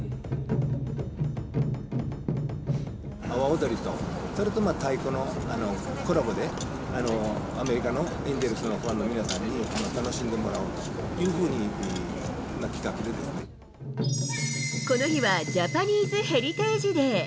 阿波踊りと、それと太鼓のコラボで、アメリカのエンゼルスのファンの皆さんに楽しんでもらうというふこの日はジャパニーズ・ヘリテージ・デー。